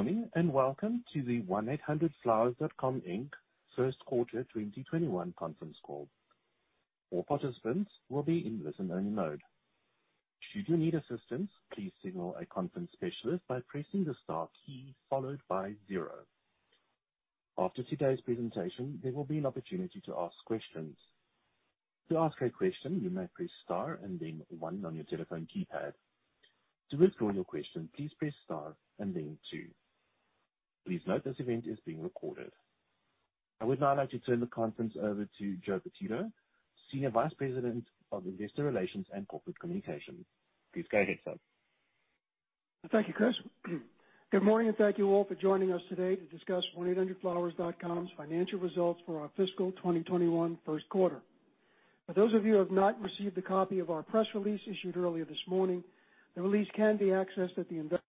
Morning, welcome to the 1-800-FLOWERS.COM, Inc., first quarter 2021 conference call. All participants will be in listened only mode. Should you need assistance please signal a conference specialist by pressing the star key followed by zero. After today's presentation, it will be an opportunity to ask questions. To ask a question, you may press star and then one on your telephone keypad. To draw your question, please press start and then two. Please note this event is being recorded. I would now like to turn the conference over to Joseph Pititto, Senior Vice President of Investor Relations and Corporate Communications. Please go ahead, sir. Thank you, Chris. Good morning, and thank you all for joining us today to discuss 1-800-FLOWERS.COM's financial results for our fiscal 2021 first quarter. For those of you who have not received a copy of our press release issued earlier this morning, the release can be accessed at the invest-.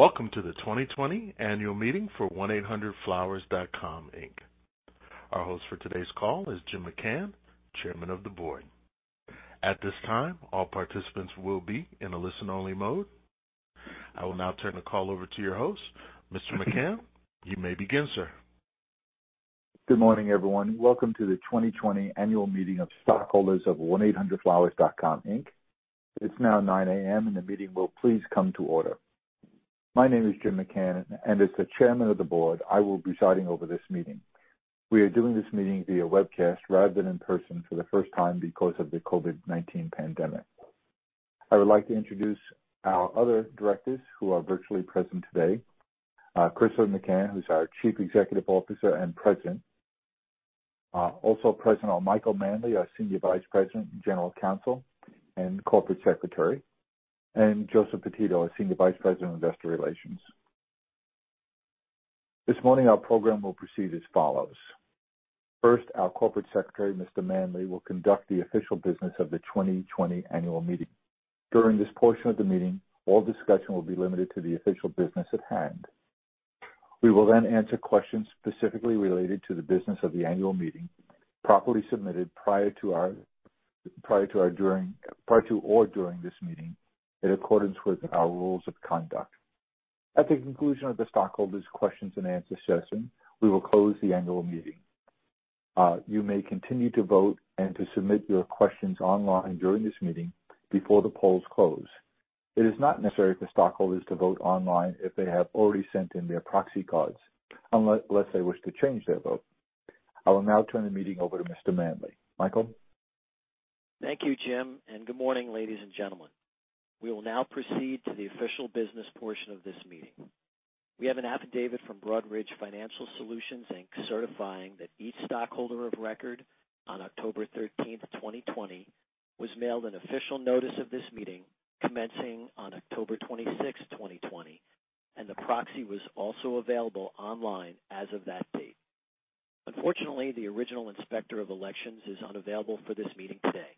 Welcome to the 2020 annual meeting for 1-800-FLOWERS.COM, Inc. Our host for today's call is Jim McCann, chairman of the board. At this time, all participants will be in a listen-only mode. I will now turn the call over to your host. Mr. McCann, you may begin, sir. Good morning, everyone. Welcome to the 2020 annual meeting of stockholders of 1-800-FLOWERS.COM, Inc. It's now 9:00 A.M., and the meeting will please come to order. My name is Jim McCann, and as the Chairman of the Board, I will be presiding over this meeting. We are doing this meeting via webcast rather than in person for the first time because of the COVID-19 pandemic. I would like to introduce our other Directors who are virtually present today. Chris R. McCann, who's our Chief Executive Officer and President. Also present are Michael Manley, our Senior Vice President, General Counsel, and Corporate Secretary, and Joseph Pititto, our Senior Vice President of Investor Relations. This morning, our program will proceed as follows. First, our Corporate Secretary, Mr. Manley, will conduct the official business of the 2020 annual meeting. During this portion of the meeting, all discussion will be limited to the official business at hand. We will then answer questions specifically related to the business of the annual meeting, properly submitted prior to or during this meeting, in accordance with our rules of conduct. At the conclusion of the stockholders' questions and answer session, we will close the annual meeting. You may continue to vote and to submit your questions online during this meeting before the polls close. It is not necessary for stockholders to vote online if they have already sent in their proxy cards, unless they wish to change their vote. I will now turn the meeting over to Mr. Manley. Michael? Thank you, Jim. Good morning, ladies and gentlemen. We will now proceed to the official business portion of this meeting. We have an affidavit from Broadridge Financial Solutions, Inc., certifying that each stockholder of record on October 13, 2020, was mailed an official notice of this meeting commencing on October 26, 2020, and the proxy was also available online as of that date. Unfortunately, the original inspector of elections is unavailable for this meeting today.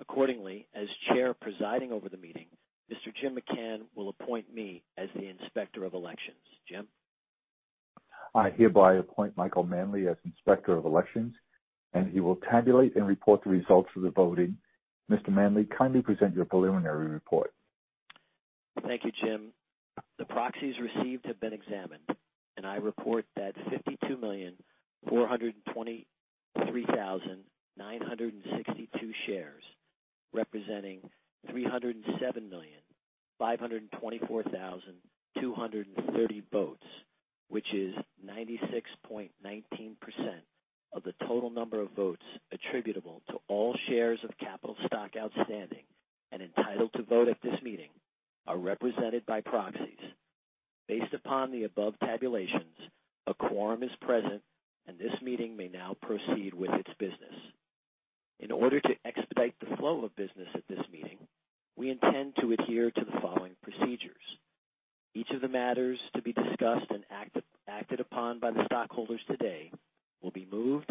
Accordingly, as chair presiding over the meeting, Mr. Jim McCann will appoint me as the inspector of elections. Jim? I hereby appoint Michael Manley as inspector of elections, and he will tabulate and report the results of the voting. Mr. Manley, kindly present your preliminary report. Thank you, Jim. The proxies received have been examined, and I report that 52,423,962 shares, representing 307,524,230 votes, which is 96.19% of the total number of votes attributable to all shares of capital stock outstanding and entitled to vote at this meeting, are represented by proxies. Based upon the above tabulations, a quorum is present, and this meeting may now proceed with its business. In order to expedite the flow of business at this meeting, we intend to adhere to the following procedures. Each of the matters to be discussed and acted upon by the stockholders today will be moved,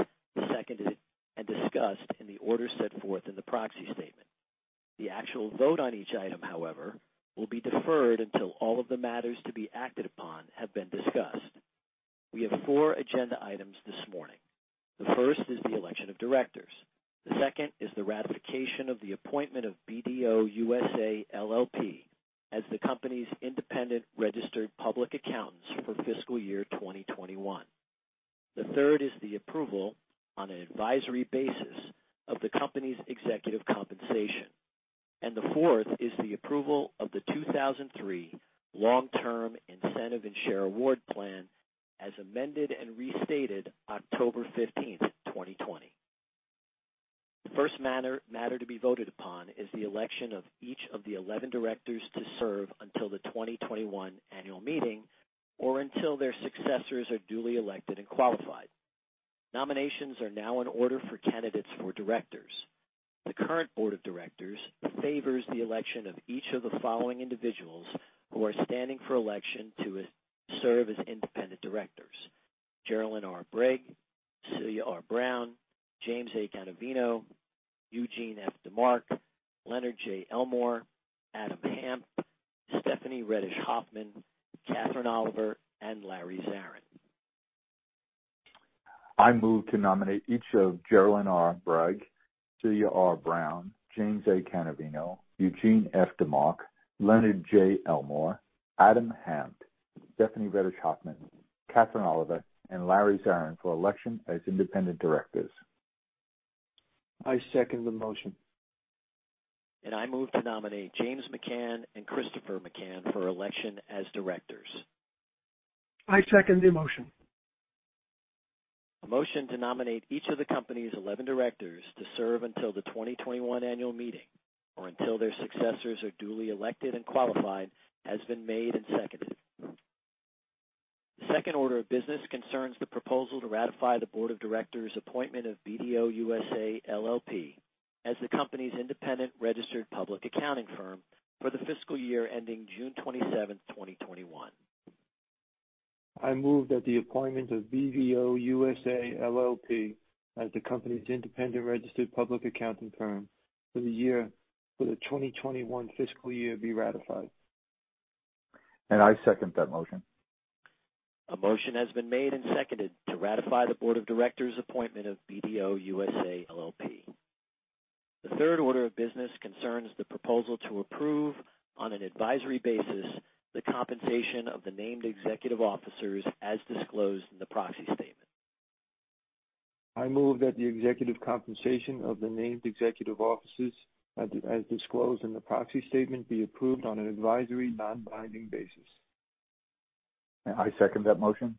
seconded, and discussed in the order set forth in the proxy statement. The actual vote on each item, however, will be deferred until all of the matters to be acted upon have been discussed. We have four agenda items this morning. The first is the election of directors. The second is the ratification of the appointment of BDO USA, LLP as the company's independent registered public accountants for fiscal year 2021. The third is the approval on an advisory basis of the company's executive compensation. The fourth is the approval of the 2003 Long Term Incentive and Share Award Plan as amended and restated October 15th, 2020. The first matter to be voted upon is the election of each of the 11 directors to serve until the 2021 annual meeting or until their successors are duly elected and qualified. Nominations are now in order for candidates for directors. The current board of directors favors the election of each of the following individuals who are standing for election to serve as independent directors. Geralyn R. Breig, Celia R. Brown, James A. Cannavino, Eugene F. DeMark, Leonard J. Elmore, Adam Hanft, Stephanie Redish Hofmann, Katherine Oliver, and Larry Zarin. I move to nominate each of Geralyn R. Breig, Celia R. Brown, James A. Cannavino, Eugene F. DeMark, Leonard J. Elmore, Adam Hanft, Stephanie Redish Hofmann, Katherine Oliver, and Larry Zarin for election as independent directors. I second the motion. I move to nominate James McCann and Christopher McCann for election as directors. I second the motion. A motion to nominate each of the company's 11 directors to serve until the 2021 annual meeting or until their successors are duly elected and qualified has been made and seconded. The second order of business concerns the proposal to ratify the Board of Directors' appointment of BDO USA, LLP as the company's independent registered public accounting firm for the fiscal year ending June 27th, 2021. I move that the appointment of BDO USA, LLP as the company's independent registered public accounting firm for the 2021 fiscal year be ratified. I second that motion. A motion has been made and seconded to ratify the board of directors' appointment of BDO USA, LLP. The third order of business concerns the proposal to approve, on an advisory basis, the compensation of the named executive officers as disclosed in the proxy statement. I move that the executive compensation of the named executive officers, as disclosed in the proxy statement, be approved on an advisory, non-binding basis. I second that motion.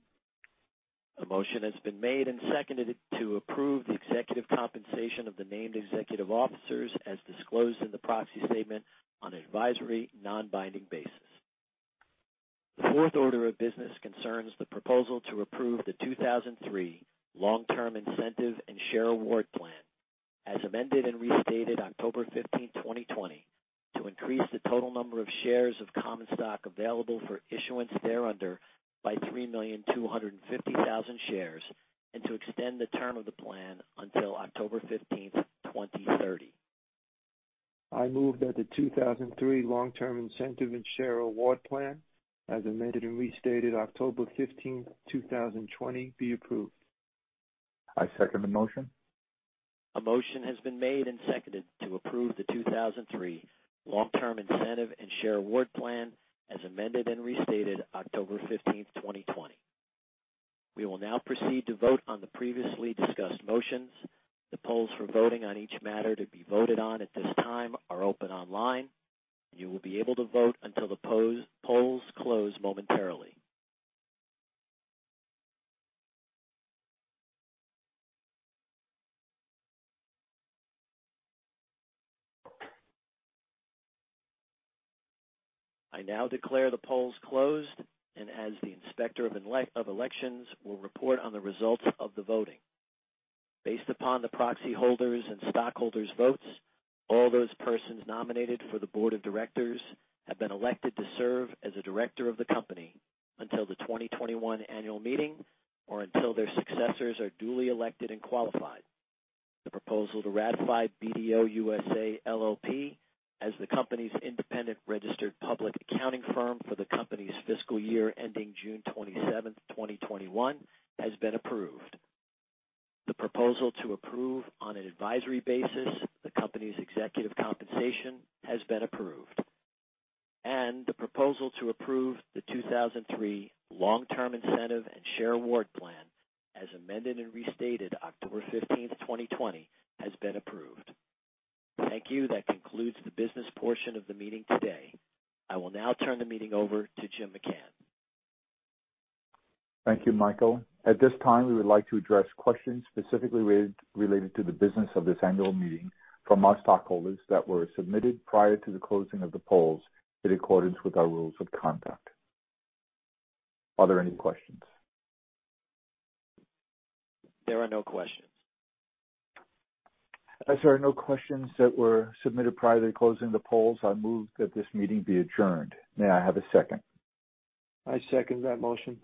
A motion has been made and seconded to approve the executive compensation of the named executive officers as disclosed in the proxy statement on an advisory, non-binding basis. The fourth order of business concerns the proposal to approve the 2003 Long Term Incentive and Share Award Plan as amended and restated October 15th, 2020, to increase the total number of shares of common stock available for issuance thereunder by 3,250,000 shares and to extend the term of the plan until October 15th, 2030. I move that the 2003 Long Term Incentive and Share Award Plan as amended and restated October 15th, 2020, be approved. I second the motion. A motion has been made and seconded to approve the 2003 Long Term Incentive and Share Award Plan as amended and restated October 15th, 2020. We will now proceed to vote on the previously discussed motions. The polls for voting on each matter to be voted on at this time are open online, and you will be able to vote until the polls close momentarily. I now declare the polls closed and as the inspector of elections will report on the results of the voting. Based upon the proxy holders' and stockholders' votes, all those persons nominated for the board of directors have been elected to serve as a director of the company until the 2021 annual meeting or until their successors are duly elected and qualified. The proposal to ratify BDO USA, LLP as the company's independent registered public accounting firm for the company's fiscal year ending June 27th, 2021, has been approved. The proposal to approve, on an advisory basis, the company's executive compensation has been approved. The proposal to approve the 2003 Long Term Incentive and Share Award Plan as amended and restated October 15th, 2020, has been approved. Thank you. That concludes the business portion of the meeting today. I will now turn the meeting over to Jim McCann. Thank you, Michael. At this time, we would like to address questions specifically related to the business of this annual meeting from our stockholders that were submitted prior to the closing of the polls in accordance with our rules of conduct. Are there any questions? There are no questions. As there are no questions that were submitted prior to the closing of the polls, I move that this meeting be adjourned. May I have a second? I second that motion.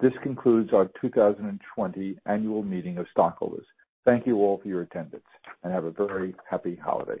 This concludes our 2020 annual meeting of stockholders. Thank you all for your attendance, and have a very happy holiday.